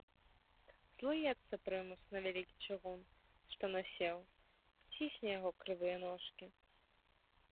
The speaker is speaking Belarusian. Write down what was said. Злуецца прымус на вялікі чыгун, што насеў, цісне яго крывыя ножкі.